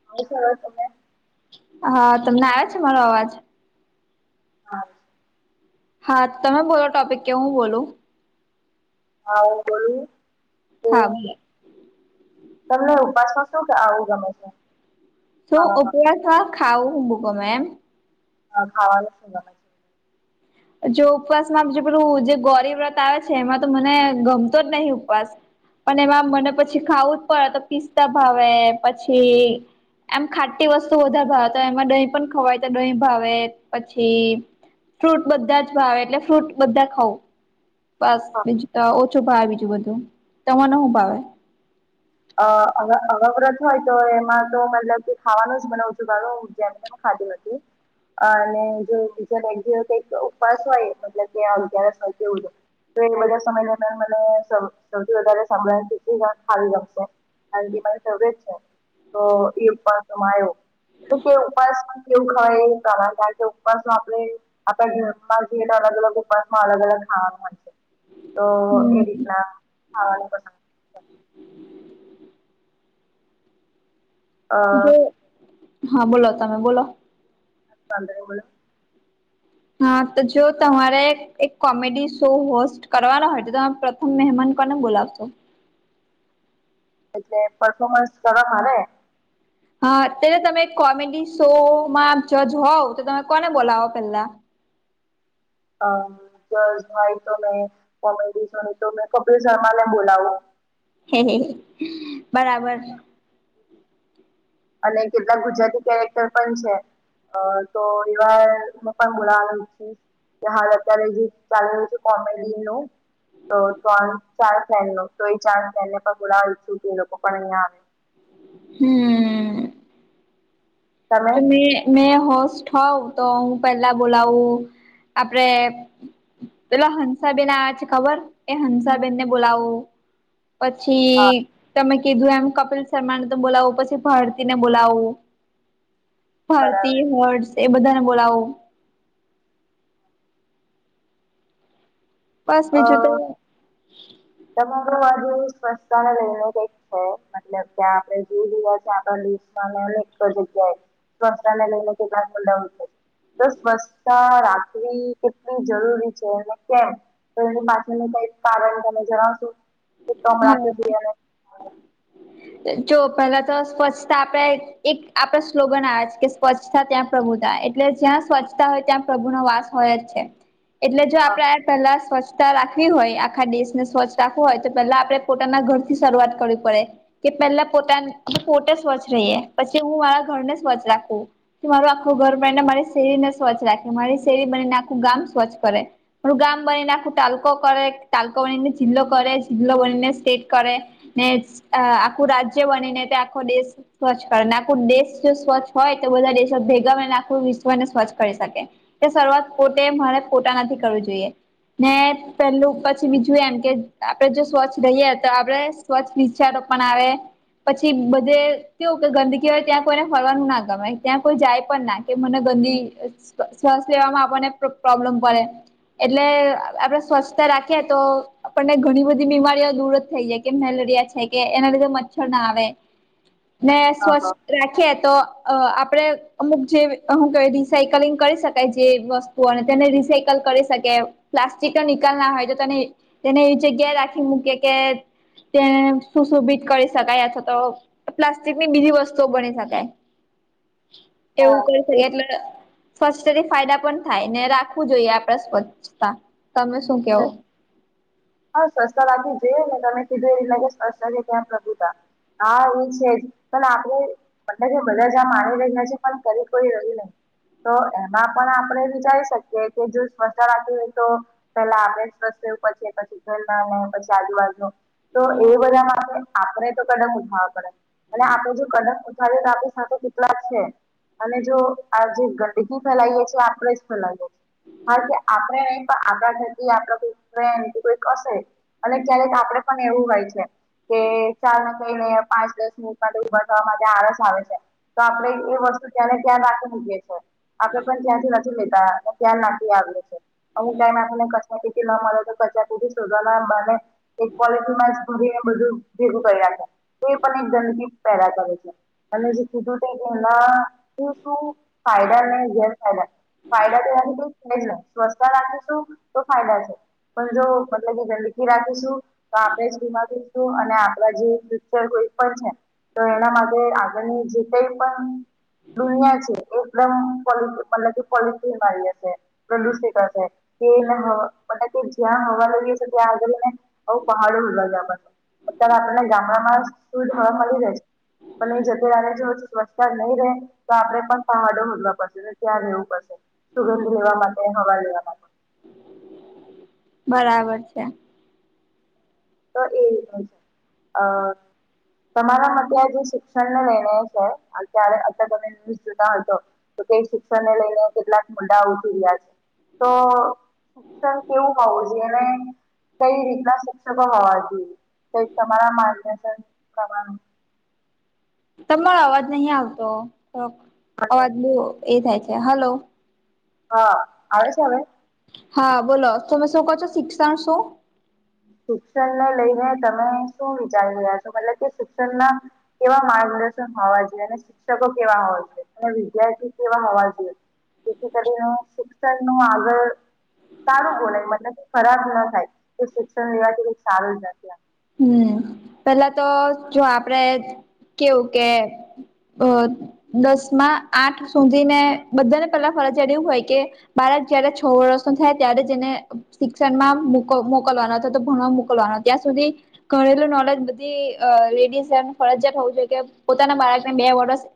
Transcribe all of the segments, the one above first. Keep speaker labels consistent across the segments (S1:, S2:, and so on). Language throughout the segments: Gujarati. S1: [unintelligible]
S2: હા તમને આવ્યો છે મારો અવાજ?
S1: હા.
S2: હા તમે બોલો ટોપિક કે હું બોલું?
S1: હા હું બોલું. તો
S2: હા.
S1: તમને ઉપાસમાં શું કે ખાવું ગમે છે?
S2: તો
S1: ખાવામાં
S2: ઉપવાસ માં ખાવું હું ગમે એમ?
S1: હા ખાવાનું હું ગમે? છે?
S2: જો ઉપવાસમાં જે પેલું જે ગૌરી વ્રત આવે છે એમાં તો મને ગમતો જ નહી ઉપવાસ. પણ એમ મને પછી ખાવું જ પડે તો પિસ્તા ભાવે પછી એમ ખાટતી વસ્તુ વધારે ભાવે તો એમાં દહીં પણ ખવાય તો દહીં ભાવે, પછી ફ્રૂટ બધા જ ભાવે એટલે ફ્રૂટ બધા ખઉં. બસ
S1: હા.
S2: બીજું તો ઓછો ભાવ બીજું બધું, તમને હુ ભાવે?
S1: અ અવ અવ વ્રત હોય તો એમાં તો મતલબ કે ખાવાનું જ મને ઓછું ભાવે હું જેમ તેમ ખાધી નથી [unintelligible] અને જો બીજો કંઈક દિવસ કંઈક ઉપવાસ હોય તો જેમ કે આમ. તો એ બધા સમય દરમિયાન મને સૌથી વધારે સાંભળને [unintelligible] તો આર બી આઈ શોધે જ છે, તો એ પણ કેવું કે ઉપવાસમાં કેવું ખવાય એ કારણ કે ઉપવાસમાં આપણે આપણા ઘરમા જે રીતે અલગ અલગ ઉપવાસમાં અલગ અલગ ખાવાનું હોય છે. તો એ જ
S2: હમ
S1: રીતના, ખાવાનું પસંદ. છે અ
S2: જે હા બોલો તમે બોલો.
S1: [unintelligible]
S2: હા તો જો તમારે એક કોમેડી શો હોસ્ટ કરવાનો હોય તો તમે ત મહેમાન કોને બોલાવ શો?
S1: એટલે પર્ફોર્મન્સ કરવા મારે?
S2: હા ત્યારે તમે કોમેડી શોમાં જજ હોવ તો તમે કોને બોલાવો પેલા?
S1: અ જજ હોય તો મે કોમેડી શૉ તો મે કપિલ શર્મા ને બોલાવું.
S2: હે હે બરાબર.
S1: અને કેટલાક ગુજરાતી કેરેક્ટર પણ છે. અ તો એ વાર હું પણ બોલાવાની છું. કે હાલ અત્યારે જે ચાલ રહ્યું છે કોમેડી નું. તો ત્રણ ચાર ફ્રેન્ડનો તો એ ચાર ફ્રેન્ડને પણ બોલાવવા ઇચ્છું કે એ લોકો પણ અહીયાં આવે.
S2: હમ.
S1: તમે
S2: તો મે મે હોસ્ટ હોઉ તો હું પેલા બોલાવું આપરે પેલો હંસાબેન આવે છે ખબર એ હંસાબેન ને બોલાવુ.
S1: હા
S2: પછી તમે કીધું એમ કપિલ શર્માને તો બોલાવું પછી ભારતીને બોલાવું.
S1: બરાબર
S2: ભારતી, હર્ષએ બધાને બોલાવું. બસ બીજું તો
S1: સમગ્રવાદી સ્વચ્છતાને લઈને કંઈક છે મતલબ કે આપણેે જોઈ રહયા છે આપણા દિશામા અનેક જગ્યાએ સ્વચ્છતા ને લઈને કેટલાક [unintelligible] તો સ્વચ્છતા રાખવી કેટલી જરૂરી છે અને કેમ? તો એના માટેનું કઈક કારણ તમે જણાવશો કે
S2: હા
S1: કમણાથી જઈ અને
S2: જો પેલા તો સ્વચ્છતા આપે એક આપડે સ્લોગન આવે છે કે સ્વચ્છતા ત્યાં પ્રભુતા એટલે જ્યાં સ્વચ્છતા હોય ત્યાં પ્રભુનો વાસ હોય જ છે એટલે જો આપણે પેલા સ્વચ્છતા રાખવી હોય આખા દેશને સ્વચ્છ રાખવું હોય તો પેલા આપડે પોતાના ઘરથી શરૂઆત કરવી પડે. કે પેલા પોતાને પોતે સ્વચ્છ રહીએ પછી હું મારા ઘરને સ્વચ્છ રાખું. કે મારું આખું ઘર બનીને મારી શેરીને સ્વચ્છ રાખે મારી શેરી બનીને આખું ગામ સ્વચ્છ કરે. મારું ગામ બનીને આખું તાલુકો કરે તાલુકો બનીને જિલ્લો કરે જિલ્લો બનીને સ્ટેટ કરે. ને જ અ આખું રાજ્ય બની ને તે આખો દેશ સ્વચ્છ કરે આખું દેશ જો સ્વચ્છ હોય તો બધા દેશો ભેગા મળીને આખું વિશ્વને સ્વચ્છ કરી શકે. તે શરૂઆત પોતે મારે પોતાનાથી કરવી જોઈએ. ને પેલું પછી બીજું એમ કે આપડે જો સ્વચ્છ રહીએ તો આપડે સ્વચ્છ ક્ષારોપણ આવે. પછી બધે કેવુ કે ગંદકી હોય ત્યાં કોઈને ફરવાનું ના ગમે ત્યાં કોઈ જાય પણ ના. કે મને ગંદી શ્વાસ લેવામાં આપણને પ્રોબ્લેમ પડે એટલે આપણે સ્વચ્છતા રાખીએ તો આપણને ઘણી બધી બીમારીઓ દૂર જ થઈ જાય. મેલેરિયા છે કે એના લીધે મચ્છર ના આવે ને
S1: હા
S2: સ્વચ્છ
S1: હા
S2: રાખીએ તો અ આપડે અમુક જે હું કેવાય રિસાયકલિંગ કરી શકાય જે વસ્ત તુઓ અને તેને રિસાયકલ કરી શકીએ પ્લાસ્ટિકનો નિકાલ ના હોય તો તેને તેને એવી જગ્યા રાખી મૂકીએ કે તેને સુશોભિત કરી શકાય અથવા તો પ્લાસ્ટિકની બીજી વસ્તુઓ બની શકે.
S1: હા
S2: તેવું કરી
S1: એ
S2: શકાય એટલે સ્વચ્છતાથી ફાયદા પણ થાય ને રાખવું જોઈએ આપણે સ્વચ્છતા તમે શું કેવો?
S1: હા સ્વચ્છતા રાખવું જોઈએ ને તમે કીધું એ રીતના કે છે ત્યાં પ્રભુતા. હા ઊં છે જ પણ આપણે મ કે બધા જ આ માની રહ્યા છે પણ ક કોઈ રહ્યું નહી. તો એમાં પણ આપણેે વિચારી શકીએ કે જો સ્વ્ચ્છતા રાખવી હોય તો પેલા આપડે સ્વચ્છ રહેવું પડશે પછી [unintelligible] પછી આજુબાજુ તો એ બધામા આપણે તો કદમ ઉઠાવવા પડે. અને આપડે જો કદમ ઉઠાવીએ તો આપણી સાથે કેટલા જ છે. અને જો આ જે ગંદકી ફેલાઈએ છીએ આપણેે જ ફેલાવીએ છીએ. હા કે આપડે નહી પણ આપણા ઘરથી આપડા કોઈ ફ્રેન્ડ કોઈ હશે અને ક્યારેક આપડે પણ એવું હોય છે. કે ચાલ ને કહીને પાંચ દસ મિનિટ માટે ઉભા થવા માટે આળસ આવે છે. તો આપણેે એ વસ્તુ તયાને તયા રાખી મૂકીએ છે. આપડે પણ ત્યાંથી નથી લેતા અને તયા નાખી આવીએ છે. અમુક ટાઈમે આપને કચરા પેટી ન મલે તો કચરા પેટી શોધવાના બાને એક પોલસીમાં જ બધુંયે બધુ ભેગું કર્યા તો એ પણ એક ગંદકી પેદા કરે છે. અને જે કીધું તે કે એમાં શું શું ફાયદા ને ગેરફાયદા ફાયદા તેનાથી કોઈ છે, જ ન સ્વચછતા રાખીશું તો ફાયદા છે. પણ જો મતલબ કે ગંદગી રાખીશું તો આપણે જ ગુમાવીશું અને આપણા જે ફુયુચર કોઈ પણ છે. તો એના માટે આગળની જે કઈ પણ દુનિયા છે. એકદમ પો મતલબ કે પોલિટીનમા આવી જશે પ્રદુષિત હશે કે એને હ [unintelligible] જ્યાં હવા લાગ છે, ત્યાં આગળ એને આવું પહાડ [unintelligible] આપણને અત્યારે આપણને ગામડામાં સુધ હવા મલી રહે પણ એ જતે વારે જો સ્વચછતા નહી રે તો આપડે પણ પહાડો હોધવા પડશે ત્યાં રેવું પડશે સુગંધ લેવા માટે હવા લેવા માટે
S2: બરાબર છે.
S1: તો એ રીતનુ છે, અ તમારા માટે આ જે શિક્ષણનો નિર્ણય છે, અત્યારે અતયાર તમે ન્યૂઝ જોતા હશો તો તે શિક્ષણને લઈને કેટલાક મુદ્દા ઉઠી રહ્યા છે, તો શિક્ષણ કેવું હોવું જોઈએ એને કઈ રીતના શિ ક્ષકો હોવા જોઈએ કોઈ તમારા માર્ગદર્શન પ્રમાણે
S2: તમારો અવાજ નહી આવતો
S1: અને
S2: અવાજ બો એ થાય છે. હાલો
S1: હ આવે છે, હવે?
S2: હ બોલો તમે શું કો છો શિક્ષણ શું?
S1: શિક્ષણને લઈને તમે શું વિચારી રહ્યા છો મતલબ કે શિક્ષણના કેવા માર્ગદર્શન હોવા જોએ અને શિક્ષકો કેવા હોવા જોએ અને વિદ્યાર્થી કેવા હોવા જોએ જેથી કરીને શિક્ષણનું આગળ સારું બોલાય મતલબ કે ખરાબ ન થાય શિક્ષણ લેવાથી સારું નથી
S2: હમ પેલા તો જો આપડે કેવું કે અ દસમાં આઠ સુધી ને બધાને પેલા ફરજિયાત એવું હોય કે બાળક જય્યારે છ વર્ષ ન થાય ત્યારે એને શિક્ષણમાં મોક મોકલવાનો હતો તો ભણવામાં મોકલવાનો ત્યાં સુધી ઘરેલું નોલેજ બધી અ રેડી છે, ફરજયાત હોવુ જોઈએ કે પોતાના બાળકને બે વર્ષ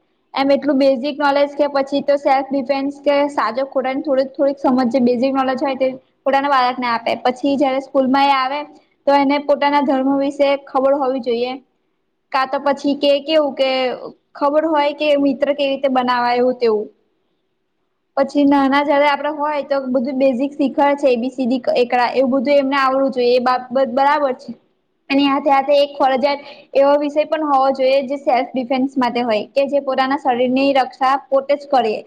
S2: એમ એટલું બેઝિક નોલેજ કે પછી તો સેલ્ફ ડિફેન્સ કે સાજો ખોરાન થોડુંક થોડીક સમજ જે બેઝિક નોલેજ હોય તે પોતાના બાળકને આપે પછી જયારે સ્કૂલમાં એ આવે તો એને પોતાના ધર્મ વિશે ખબર હોવી જોઈએ. કા તો પછી કે કેવું કે ખબર હોય કે મિત્ર કેવી રીતે બનાવાયું તેવું પછી નાના જયારે આપડે હોય તો બધું બેઝિક શીખાવે છે, એબીસીડી એકડા એવું બધું એમને આવડું જોએ એ બાબત બરાબર છે. એની હાથે હાથે એક ફરજિયાત એવો વિષય પણ હોવો જોઈએ જે સેલ્ફ ડિફેન્સ માટે હોય કે જે પોતાના શરીરની રક્ષા પોતે જ કરયે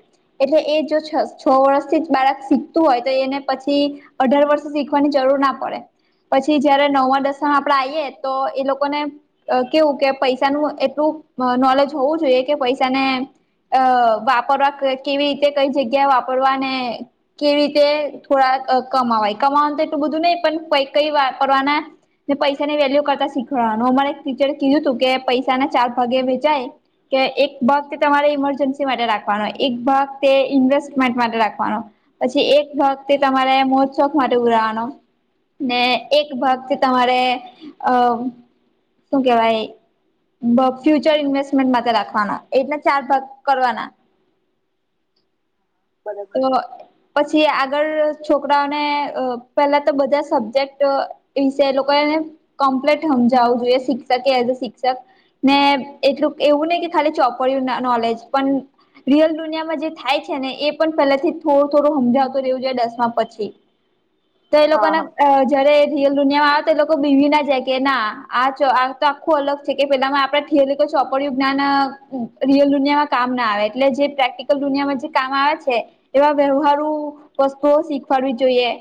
S2: એટલે એ જો છ છ વર્ષથી જ બાળક શીખતું હોય તો એને પછી અઢાર વર્ષ શીખવાની જરૂર ના પડે પછી જયારે નવમાં દસ હા આપડે આઈએ તો એ લોકો ને અ કેવું કે પૈસાનું એટલું અ નોલેજ હોવું જોઈએ કે પૈસાને અ વાપરવા કે કેવી રીતે કઈ જગ્યા વાપરવાને કેવી રીતે થોડા અ કમાવાય કમાવાનું તો એટલું બધું નહી પણ કઈ કઈ વાપરવાના ને પૈસાની વેલ્યુ કરતા શીખવાડવાનું અમારે એક ટીચરે કીધું હતું કે પૈસા ના ચાર ભાગે વેચાય કે એક ભાગ તે તમારે ઇમરજન્સી માટે રાખવાનો એક ભાગ તે ઇન્વેસ્ટમેન્ટ માટે રાખવાનો પછી એક ભાગ તે તમારે મોજ શોખ માટે ઉડાડવાનો ને એક ભાગ છે. તમારે અ શું કેવાય બોવ ફ્યુચર ઇન્વેસ્ટમેન્ટ માટે રાખવાના એકના ચાર ભાગ કરવાના
S1: [inaudible] બરોબર
S2: અ. પછી આગળ છોકરાઓને અ પેલા તો બધા સબ્જેક્ટ છે એ લોકો એને કમ્પ્લીટ હમજાવું જોઈએ શિક્ષક એઝ અ શિક્ષક ને એટલું એવું નહી કે ખાલી ચોપડ્યું ના નોલેજ પણ રિયલ દુનિયામાં જે થાય છે ને એ પણ પહેલાથી થોડું થોડું હમજાવતો રહેવું જોય દસમા પછી
S1: [inaudible]
S2: ત્યાં એ
S1: હા હા
S2: લોકોને અ જયારે રિયલ દુનિયામાં આવે તો એ લોકો બીવી ના જાય કે ના આ આ તો આખું અલગ છે કે પેલામાં આપણે એ લોકો ચોપડું જ્ઞાન અ રિયલ દુનિયામાં કામ ના આવે એટલે જે પ્રેક્ટિકલ દુનિયામાં જે કામ આવે છે. એવા વ્યવહારું વસ્તુઓ શીખવાડવી જોઈએ.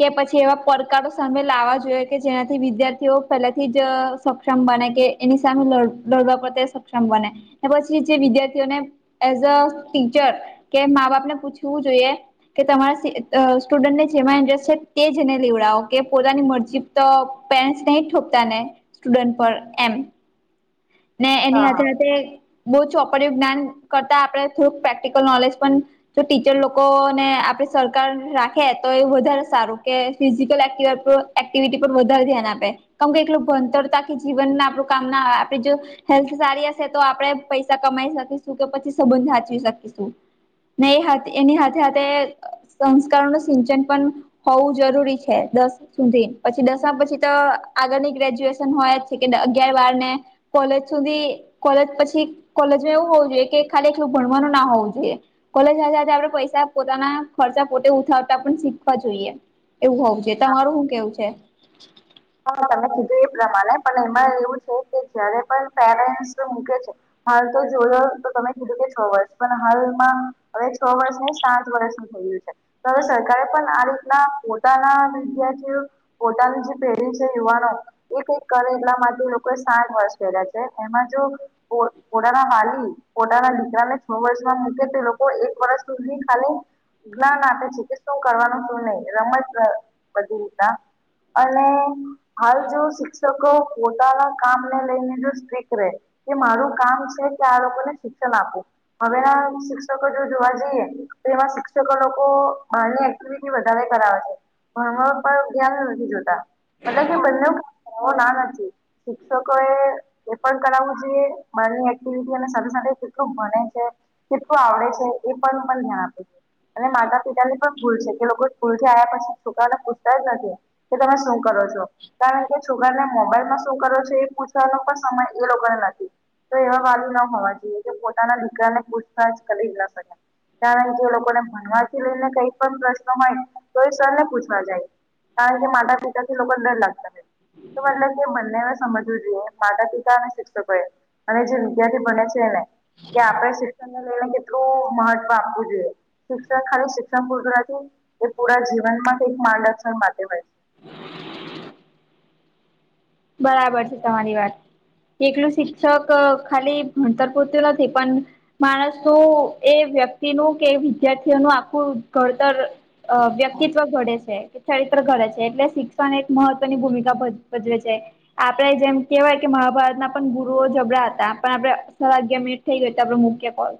S2: કે પછી એવા પડકારો સામે લાવવા જોઇએ કે જેનાથી વિદ્યાર્થીઓ પહેલાથી જ સક્ષમ બને કે એની સામે લ લડવા પ્રત્યે સક્ષમ બને પછી એ જે વિદ્યાર્થીઓને એઝ અ ટીચર કે માં બાપ ને પૂછવું જોઈએ કે તમારા અ સ્ટુડન્ટને જેમાં ઇન્ટરેસ્ટ છે તે જ એને લેવડાવો કે પોતાની મરજી ચીપ તો પેચ તો નઈ ઠોપતા ને સ્ટુડન્ટ પર એમ. ને એની
S1: હા હા
S2: હાથે હાથે બહુ ચોપડીઓ નુ જ્ઞાન કરતા આપણે થોડુંક પ્રેક્ટિકલ નોલેજ પણ જો ટીચર લોકોને આપડે સરકાર રાખે તો એ વધારે સારું કે ફિઝિકલ એક્ટિવ એક્ટિવિટી પર વધારે ધ્યાન આપે કેમ કે એકલું ભણતરતા કે જીવન આપણું કામ ના આપે જો હેલ્થ સારી હશે તો આપણે પૈસા કમાઈ શકીશું કે પછી સંબંધ હાચવી શકીશું. ને હાથે એની હાથે હાથે સંસ્કારો નુ સિંચન પણ હોવું જરૂરી છે દસ સુધી પછી દસમા પછી તો આગળની ગ્રેજ્યુએશન હોય જ છે અગિયાર બાર ને કોલેજ સુધી કોલેજ પછી કોલેજમાં એવું હોવું જોઈએ કે ખાલી એકલું ભણવાનું ના હોવું જોઈએ. કોલેજ સાથે સાથે આપડે પૈસા પોતાના ખર્ચા પોતે ઉઠાવતા પણ શીખવા જોઈએ. એવું હોવુ જોઇએ તમારું હું કેવું છે.
S1: હ તમે કીધું એ પ્રમાણે પણ એમાં એવું છે કે જયારે પણ પેરેન્ટ્સ મૂકે છે. હાલ તો જોયો તો તમે કીધું કે છ વર્ષ પણ હાલમાં હવે છ વર્ષ નહી સાત વર્ષ એવી રીતે હવે સરકાર પણ આ રીતના પોતાના વિદ્યાર્થીઓ પોતાનું જે યુવાનો એક [unintelligible] કરે એટલા માટે લોકો સાત વર્ષ કર્યા છે એમાં જો ઓ ઓડાના હાલી પોતાના દીકરાને છ વર્ષમાં મૂકે તે લોકો એક વર્ષ સુધી ખાલી જ્ઞાન આપે છે કે શું કરવાનું શું નહી રમત બધું અને. હાલ જો શિક્ષકો પોતાના કામને લઈને જો સ્ટ્રીક રહેે કે મારું કામ છે કે આ લોકોને શિક્ષણ આપું. હવે ના શિક્ષકો જો જોવા જઈએ તો એમાં શિક્ષકો લોકો બાનુ [unintelligible] વધારે કરાવે છે. ભણવાના પર ધ્યાન નથી જોતા. એટલે કે બંને કરાવો ના નથી. શિક્ષકોએ એ પણ કરાવવું જોઈએ. બારની એક્ટિવિટી સાથે સાથે કેટલું ભને છે કેટલું આવડે છે? એ પર પણ ધ્યાન આપવું જોઈએ. અને માતા પિતાની પણ ભૂલ છે. કે એ લોકો સ્કૂલથી આવ્યા પછી છોકરાને પૂછતા જ નથી. કે તમે શું કરો છો? કારણ કે છોકરાને મોબાઈલમાં શું કરો છો? એ પૂછવાનો પણ સમય એ લોકોને નથી. તો એવા વાલી ના હોવા જોઈએ કે પોતાના દીકરાને પૂછતાજ કરી જ ના શકાય. કારણ જો એ લોકોને ભણવાથી લઈને કઈ પણ પ્રશ્નો હોય તો એ સરને પૂછવા જાય. કારણ કે માતા પિતાથી લોકોને ડર લાગતા હોય. તો મતલબ કે બંનેને સમજવું જોઈએ. માતા-પિતા અને શિક્ષકોએ. અને જગ્યાથી ભણે છેને કે આપણે શિક્ષણને લઈને કેટલું મહત્વ આપવું જોઈએ. શિક્ષણ ખાલી શિક્ષણ પૂરતુ નથી. એ પૂરા જીવનમાંથી માર્ગદર્શન માટે હોય. છે
S2: બરાબર છે. તમારી વાત. એકલું શિક્ષક ખાલી ભણતર પૂરતુ નથી પન માણસનું એ વ્યક્તિનું કે વિદ્યાર્થીઓનું આખું ઘડતર અ વ્યક્તિત્વ ઘડે છે. ચરિત્ર ઘડે છે. એટલે શિક્ષણ એક મહત્વની ભૂમિકા ભજ ભજવે છે. આપણે જેમ કેહેવાય કે મહાભારતના પણ ગુરુઓ જબડા હતા પણ આપણે સ [unintelligible] ક‌ઈ કેતા પણ હૂ કેતા હોય.